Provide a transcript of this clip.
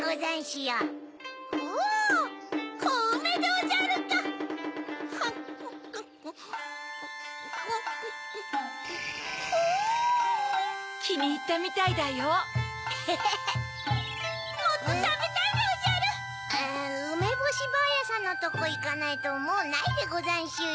あうめぼしばあやさんのとこいかないともうないでござんしゅよ。